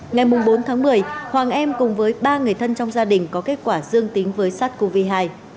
ngày bốn tháng một mươi hoàng em cùng với ba người thân trong gia đình có kết quả dương tính với sát covid một mươi chín